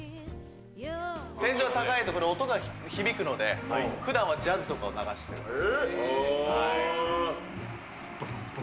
天井高いと、これ、音が響くので、ふだんはジャズとかを流してるんです。